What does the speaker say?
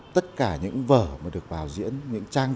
tất cả những vở mà được bảo diễn những trang trí